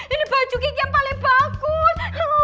ini baju kiki yang paling bagus